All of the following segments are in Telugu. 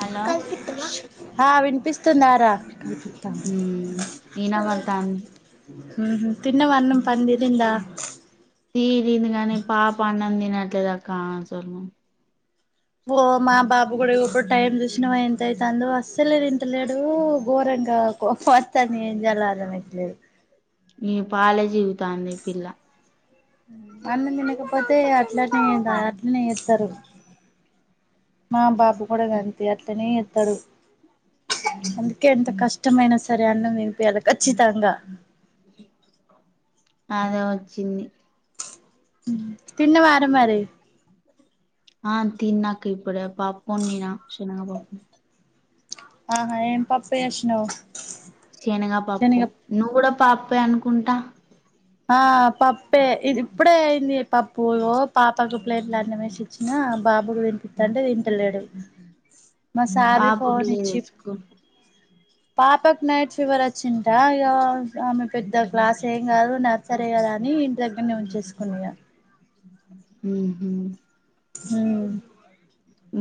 హలో ఆ వినిపిస్తుందరా త ఉమ్ ఇనబడతాంది ఉహు తిన్నవ అన్నం పంది నిండా తీరింది గానీ పాప అన్నం తినట్లేదక్క అసలు ఓ మా బాబు కూడాడిప్పుడు టైం చూసిన ఎంతయితందో అస్సలే తింటలేడు గోర ఇంక కొత్తాని ఏం చేయాలో అర్ధైతలేదు నీ పాలే జీకుతన్ది పిల్ల అన్నం తినకపోతే అట్లనే ఆ అట్లనే చేస్తరు మా బాబు కూడా కాంతి అట్నే చెత్తడు అందుకే ఎంత కష్టమైైన సరే అన్నం వినిపియేలె ఖచ్చితంగా అదే వచ్చింది తన్నవార మరీ ఆ తిన్నాక ఇప్పుడే పప్పు వండిన శెనగపప్పు అవునా ఏం పప్పు చేసినవు చేనగ పప్పు శనగ నువ్వు కూడా పాపే అనుకుంటా ఆ పప్పే ఇది ఇప్పుడే అయింది పప్పు పాపకు ప్లేట్లు అన్నమేసిచ్చిన ఆ బాబుకు తీనిపిస్తా అంటే తింటలేడు [inaudible] మా సారి పాపకు ఫోన్ లేదు ఇచ్చి స్కూల్ పాపకు నైట్ ఫీవర్ వచ్చింట ఇ ఆమె పెద్ద గ్లాస్ ఏం కాదు నాక్ సరే కదా అని ఇంటి దగ్గరనే ఉంచేసుకుని ఉహు హ్మ్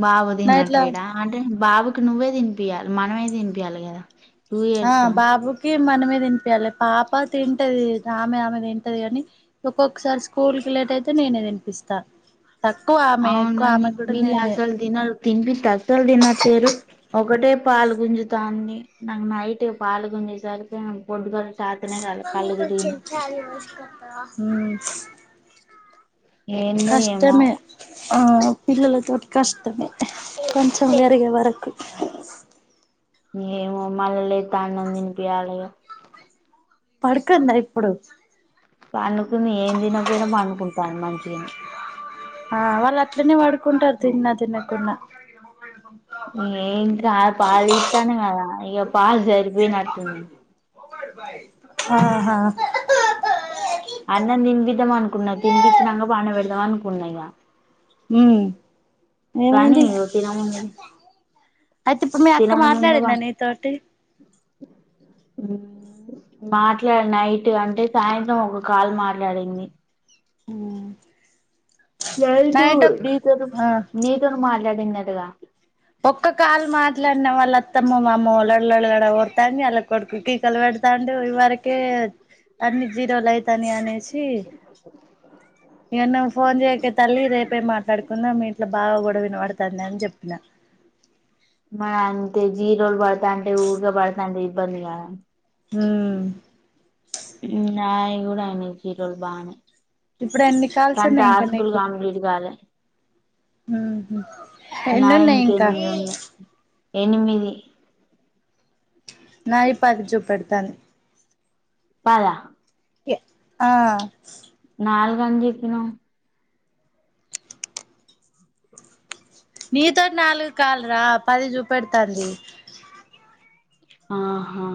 బాబు తినట్లేడా అంటే బాబు నువ్వే తినిపియ్యలి మనమే తినిపియ్యలి కదా టూ హా ఇయర్సా బాబుకి మనమే తినిపియ్యలి పాప తింటది ఆమె ఆమె తింటది కాని ఒక్కొక్కసారి స్కూల్ కి లేట్ అయితే నేనే తినిపిస్తా తక్కువ ఆమె ఎక్కువ అవునుకని ఆమె కూడా వీళ్ళు నేనే అసలు తినరు తినిపిత్తే అసల్ తినట్లేరు ఒకటే పాలు గుంజుతాంది నాకు నైట్ పాలు గుంజేసరికే బొడ్డు క [inaudible] ఏందో ఏమో కష్టమే ఆ పిల్లలతోటి కష్టమే కొంచెం [unintelligible] వరకు ఏమో మల్ల లెత్తే ఆన్నం తినిపియాలిగా పడుకుందా ఇప్పుడు పండుకుంది ఏం తినపోయినా పండుకుంటుంది మంచిగా ఆ వాళ్ళు అట్లనే పడుకుంటారు తిన్న తినక పోయినా ఏం కాదు పాలు ఇస్తాన కదా ఇక పాలు సరిపోయినట్టుంది అవునా అన్నం తినిపిద్దాం అనుకున్నా తినిపిచ్చినంక పండబెడదాం అనుకున్నా ఇగ మ్మ్ కానీ ఏమైంది ఇగ తినముందుకే అయితే ఇప్పుడు మీ అక్క మాట్లాడిందా నీతోటి మ్మ్ మాట్లాడి నైట్ అంటే సాయంత్రం ఒక కాల్ మాట్లాడింది మ్మ్ తెలుసు నీతోటి నీతోని మాట్లాడిందటగా ఒక్క కాలు మాట్లాడిన వాళ్ళ అత్తమ్మ వామ్మో లోడ లోడ లోడ ఒరుతాంది వాళ్ళ కొడుకు కేకలు పెడు తాండు ఇవరకే అన్ని జీరోలు అవుతాని అనేసి ఇగ నాకు ఫోన్ చేయకే తల్లి రేపే మాట్లాడుకుందాం మీ ఇంట్లో బాగా గొడ ఇనపడుతాంది అని చెప్పిన మరి అంతే జీరోలు పడతాంటే ఊకే పడతాంటే ఇబ్బంది కద మ్మ్ నాయి కూడా అయినాయి ఈ రోజు బాగనే ఇప్పుడు ఎన్ని కాల్స్ నా ఉన్నాయి ఇంకా టాస్కులు నీకు కంప్లీట్ కాలే ఉహు ఎన్నున్నాయి నావింక ఇంకా ఎనిమిది ఉన్నాయి ఎనిమిది నాయి పంచు పెడుతది పద ఎత్తు ఆ నాలుగని చెప్పినవ్ నీతోటి నాలుగు కాల్ రా పది చూపెడుతాంది ఆహా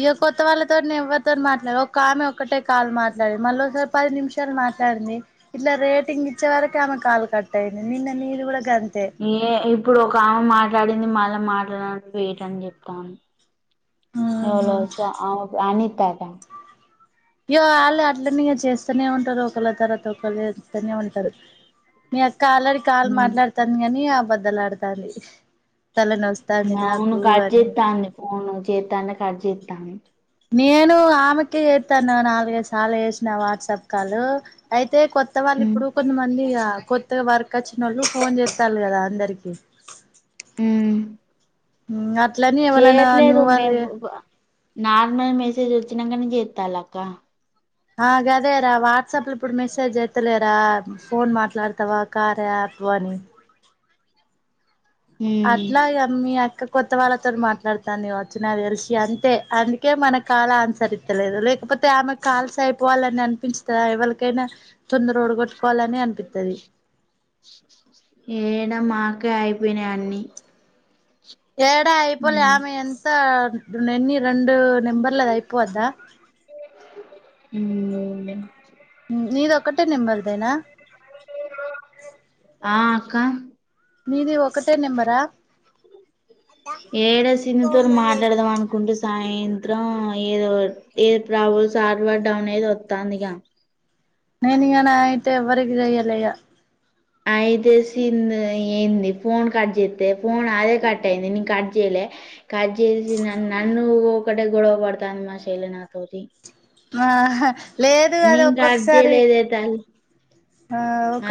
ఇక కొత్త వాళ్ళతోటి ఎవరితోని మాట్లాడలే ఒక ఆమె ఒకటే కాలు మాట్లాడి మళ్ళీ ఒకసారి పది నిమిషాలు మా మాట్లాడింది ఇట్లా రేటింగ్ ఇచ్చే వరకే ఆమె కాలు కట్ అయింది నిన్న నీది కూడా గంతే ఏ ఇప్పుడు ఒక ఆమె మాట్లాడింది మళ్ళీ మాట్లాడు అంటే వెయిట్ అని చెప్తాంది ఎవలో ఉహు [inaudible] అనిత ఆట అయ్యో వాళ్ళు అట్లనే ఇగ చేస్తూనే ఉంటారు ఒకళ్ళ తర్వాత ఒకళ్ళ చేస్తానే ఉంటారు మీ అక్క ఆల్రెడీ కాలు ఉమ్ మాట్లాడతాంది గాని అబద్దలాడుతాంది అవును కట్ చెత్తంది ఫోన్ చెత్తంటే కట్ చెత్తంది నేను ఆమెకి చేస్తాను నాలుగైదు సార్లు చేసిన వాట్సాప్ కాల్ అయి అయితే కొత్త వాళ్ళు ఉమ్ ఇప్పుడు కొంతమంది ఇగ కొత్తగా వర్క్ వచ్చినోళ్ళు ఫోన్ చేస్తాండు కదా అందరికి మ్మ్ మ్మ్ అట్ల అని ఎవలైనా న్యూ వాళ్ళు మేము నార్మల్ మెసేజ్ వచ్చినాకనే చేస్తాలా అక్క అ గదే రా వాట్సాప్ లో ఇప్పుడు మెసేజ్ చెత్తే లేదు దా, ఫోన్ మాట్లాడతావా? కార్యా అపు అని. ఉమ్ అట్లా ఇగ, మీ అక్క కొత్త వాళ్ళతోనీ మాట్లాడతాంది ఈ మధ్య. చ్, నాకు తెలిసి అంతే. అందుకే మన కాల్ ఆన్సర్రితలేదు. లేక్ ఒకతె, ఆమె కాల్స్ అయిపోవాలని అనిపించదా ఎవాళ్లకైనా? తొందర వోడగొట్. ఏడా, మాకే అయిపోయినయ్ అన్నీ. ఏడా, అయిపోలే ఆమె ఎంత? పొద్దునే, ఎన్ని రెండు నంబర్లది అయిపోవద్దా? ఉమ్మ్. ఉమ్, నీది ఒక్కటే నెంబర్ దేనా? ఆ, అక్క. నీది ఒక్కటే నెంబర్ ఆ? ఏడా, సింధుతోని మాట్లాడదాం అనుకుంటే సాయం. త్రా, ఏదో ఏ ప్రాబ్ల్స్ సర్వర్ డౌన్ ఏదో వస్తాంది. నేను ఇగ నైట్ ఎవ్వరికి చెయ్యాలే, ఇగ. అయితే, సింధు ఏంది? ఫోన్ కట్ జేస్తే ఫోన్ అదే కట్ అయింది. నేను కట్ జేయలే. కట్ జేసిన్ నన్ను ఒకటే గొడవ పడతాంది మా చెల్లె నాతోటి. ఆ లేదు అది నేను కట్ ఒక్కొక్కసారి జేయలేదే తల్లి. ఆ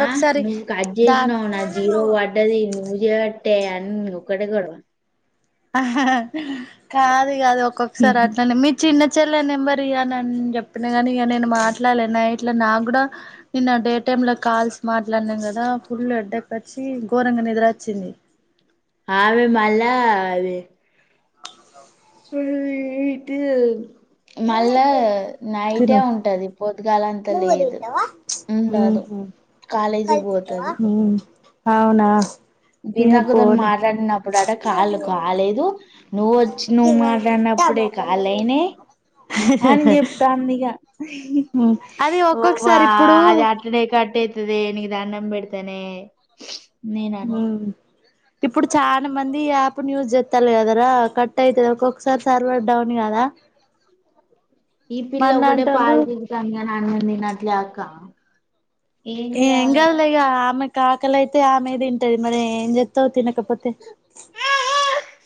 ఆ, నువ్వు కట్ దాన్ జేసినవ్. నాది జీరో పడ్డది నువ్వు. జేయవట్టే అన్నీ, ఒక్కడే గొడవా? ఆ హా హా కాదు, ఇగ అది ఒక్కొక్కసారి అట్లనే, మీ చిన్నద్. చెల్లె నెంబర్ ఇయ్యానన్ చెప్పిన గానీ, ఇగ నేను మాట్లాడలే నైట్ల. నాకు కూడా నిన్న డేట్ టైం లా కాల్స్ మాట్లాడినాం గదా, ఫుల్ హెడేక్ వచ్చి ఘోరంగా నిద్ర వచ్చింది. ఆమె మల్లా అవి. [unintelligible] [inaudible] మళ్లా తిను నైటే ఉంటది, పొద్దుగాల అంతా లేదు. మ్ ఉండదు హు, కాలేజీకి కలిపితావా? పోతది హు, అవునా? ఇగ బిందక్కతోని పోనీ మాట్లాడినప్పుడట, కాల్ కాలేదు. నువ్వు వచ్చి, నువ్వు మాట్లాడినప్పుడే కాల్ అయినయ్ అని చెప్తాంది ఇగ. అది ఓ వా, ఒక్కొక్కసారి ఇప్పుడు అది అట్టనే కట్టే. వే, నీకు దండం బెడతనే, నేను అన్న. ఉమ్ ఇప్పుడు చానా మంది ఈ యాప్ ని యూజ్ జేస్తాలు కదరా, కట్ అయితది ఒక్కొక్కసారి. సర్వర్ డౌన్ గదా. ఈ పిల్ల ఒకటే పాల్చికుతావుంది, కాని అన్నాం తినట్లే అక్క. ఏం గాదులే, ఇగ ఆమెక్. కాకలి అయితే ఆమె తింటది మరి, ఏం జేత్తవ్? తినకపోతే.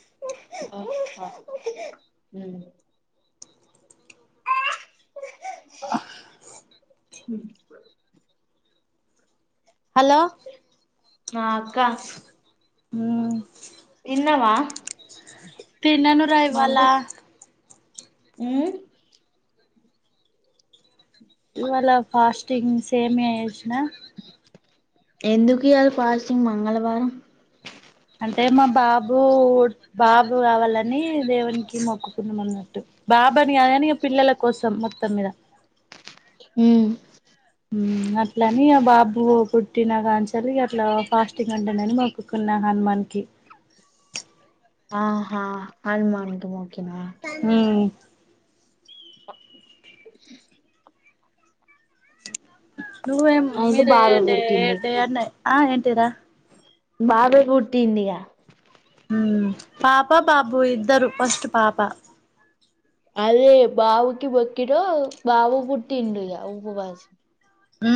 అ అ హు ఆ హె. హ్. హలో! ఆ, అక్క. ఉమ్. తిన్నావా? తిన్నాను రా, ఇవ్వల. ఉమ్మ్. ఇవ్వాల ఫాస్టింగ్, సేమియా జేసినా. ఎందుకు ఇయ్యాల ఫాస్టింగ్? మంగళవారం. అంటే, మా బాబు బాబు గావాలని దేవునికి మొక్కుకున్నాం అన్నట్టు. బాబాని గాదు గానీ, పిల్లల కోసం మొత్తం మీద. ఉమ్. ఉమ్, అట్లని. ఆ బాబు పుట్టిన కంచెల్లి, ఇగ అట్లా ఫాస్టింగ్ అంటానని మొక్కుకున్నా. న్నా హనుమాన్ కి ఆహా హనుమాన్ కిమో ఊ నువ్వేం అయితే బావ మీరేడే పుట్టిండు ఏడన్న ఆ ఏంటిది రా బాబే పుట్టిందిగా ఊ పాప బాబు ఇద్దరు ఫస్ట్ పాప అదే బావుకి మొక్కిన బావు పుటిండు ఇగ ఉపవాసి ఊ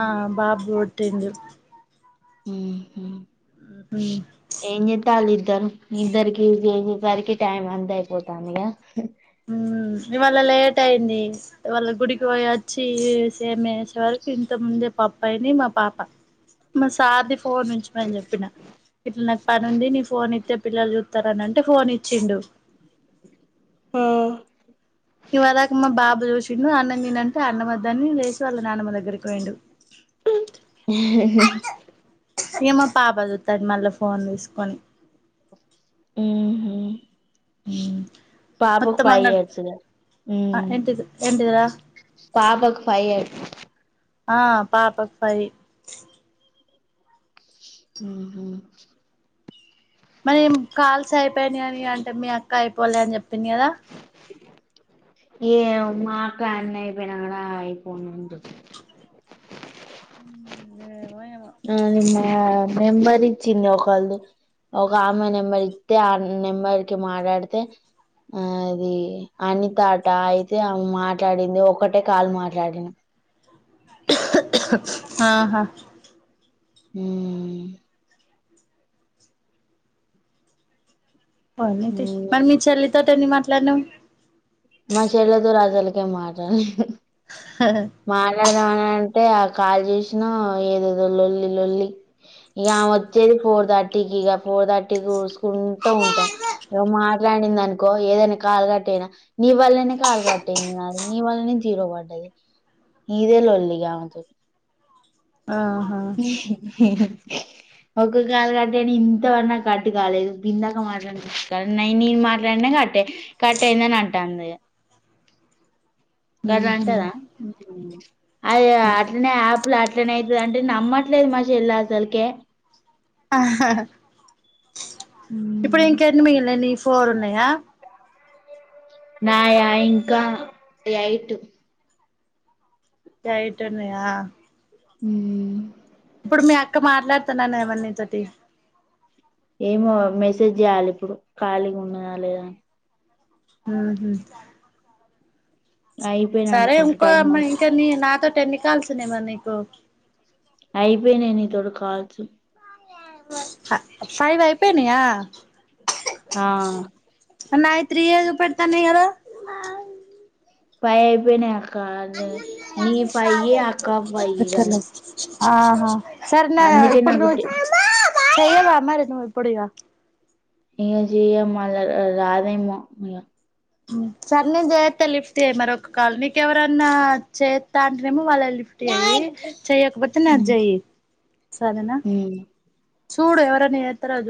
ఆ బాబు ఉటిండు ఊహు మ్మ్ ఏంజెతల్ ఇద్ ఇద్దరు ఇద్దరికి చేసేసరికి టైమ్ అంత అయిపోతాందిగా ఉ ఇవాళ లేట్ అయింది ఇవాళ్ళ గుడికి పోయి వచ్చి సేమ్ వేసే వరకు ఇంత ముందు దే పప్పయింది మా పాప మ సార్ ది ఫ్ ఫోన్ ఉంచుమని చెప్పిన ఇట్లా నాకు పని ఉంది నీ ఫోన్ ఇతే పిల్లల్ జూత్ తరనంటే ఫోన్ ఇచ్చిండు ఆ ఇవార్ దాక మా బాబు చూసిండు అన్నం తిన్ అంటే అన్నమదన్ని లేసి వాళ్ళ నాన్నమ్మ దగ్గరికి పోయిండు ఇగ మా పాప జుతాంది మళ్ళ ఫోన్ తీసుకొని ఊహు మ్మ్ బాబుకు మొత్తం ఫై అంగడి ఇయర్స్ ఇగ ఏంటిది ఏంటిదిరా పాపాకు ఫై ఇయర్స్ ఆ పాపాకు ఫయ్ ఊహు మరేం కాల్స్ అయిపోయినా అని నేన్ అంటే మీ అక్క అయిపోలే అని చెప్పింది కదా ఏమో మా అక్క అన్ని ఐపోయినంకా రాయ్ పోనీ అంటది ఊ దేవ్ ఆ నిన్న నెంబర్ ఇచ్చింది ఒకల్ది ఒక ఆమె నెంబర్ ఇతే ఆ నెంబర్ కి మాట్లాడితే ఆది అనితాట అయితే ఆమె మాటడింది ఒక్కటే కాలు మాట్లాడినా ఆహా ఊ పోని తీ ఉమ్ మరి మీ చెల్లితోటి ఎన్ని మాట్లాడినవ్ మా షెల్లతోటి అసలకే మాటలేదు మాట్లాడదాం అని అంటే ఆ కాలు చేసినా ఏదేదో లొల్లి లొల్లి ఇగ ఆమె వచ్చేది ఫోర్ థర్టీకి ఇగ ఫోర్ థర్టీకి చూసుకుంటూ ఉంటాం ఇగొ మాట్లా మాట్లాడింది అనుకో ఏదైనా కాలు కట్ అయినా నీ వల్లనే కాలు కట్ అయింది నాది నీ వల్లనే జీరో పడ్డది ఇదే లోల్లి ఆమెతోటి. ఆహా! [unintelligible] ఒక్క కాల్ కట్టని ఇంతవరకు నాకు కట్టు కాలేదు బిందాక మాట్లాడ న నేను మాట్లాడిన ఎగట్టే కట్ ఐందని అంటాంది ఇగ గడ్ల అంటదా అది అట్లనే ఆపుల్ అట్లనే ఐతదం టే నమ్మట్లేద్ మా షెల్ల అసల్ కే ఆహ్ హ హా ఇప్పుడు ఇంకెన్ని మిగిలిన నీయి ఫోర్ ఉన్నయ నాయా ఇంకా యైటు యైటున్నయా ఊ ఇప్పుడు మీ అక్క మాట్లాడతన్ననదిగా నీతోటి ఏమో మెసేజ్ చేయాలి ఇప్పుడు ఖాళీగా ఉన్నదా లేదా అని ఊహు అయిపోయినా సరే, అనుకుంటా ఇంకో టైం అమ్మాయి. ఇంకెన్ని నాతోటి ఎన్ని కాల్స్ ఉన్నయ్ మరి నీకు? అయిపోయినయి నీతోటి కాల్స్? ఆ, ఫైవ్ అయిపోయినయా? ఆ. మరి నాయి త్రీ ఏ చూపెడుతున్నాయ్ కదా? ఫైవ్ అయిపోయినయ్ అక్క ఆన్ళ్లనే. నీయి ఫైవ్, అక్కా ఫైవ్ కదా? ఆహా, సరేనా? అందుకే ఇప్పుడు నాకు ఇక జూచి చేయవా మరి నీవు, ఇప్పుడు ఇగ? ఇగ జేయ్, మళ్ల రాదేమో ఇగ. సరే, నేను జేత లిఫ్ట్ చేయ్యి మరి ఒక కాల్. నీకెవరన్నా చేత్త అంటనేమో, వాళ్ళది లిఫ్ట్. నాయక్. చెయ్యకపోతే, నాక్ చెయ్యి. సరేనా? ఉమ్ చూడు, ఎవరైనా జేస్తారా చూడు.